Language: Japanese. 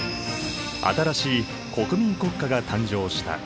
新しい国民国家が誕生した。